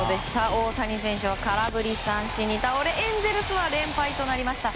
大谷選手は空振り三振に倒れエンゼルスは連敗となりました。